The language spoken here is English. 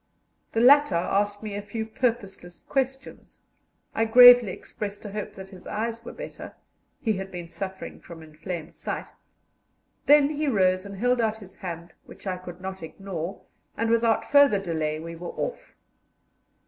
The latter asked me a few purposeless questions. I gravely expressed a hope that his eyes were better (he had been suffering from inflamed sight); then he rose and held out his hand, which I could not ignore, and without further delay we were off.